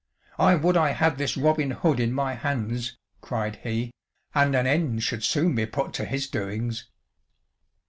"I would I had this Robin Hood in my hands," cried he, "and an end should soon be put to his doings."